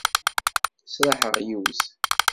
Sraḥeɣ yiwet.